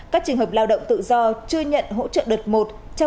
các trường hợp lao động tự do chưa nhận hỗ trợ đợt một